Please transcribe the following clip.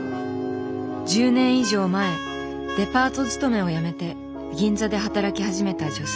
１０年以上前デパート勤めを辞めて銀座で働き始めた女性。